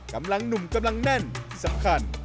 กำลังหนุ่มกำลังแน่นสำคัญ